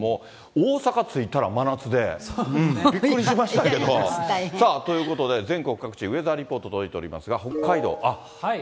大阪着いたら真夏で、びっくりしましたけど。ということで、全国各地ウェザーリポート届いていますが、北海道。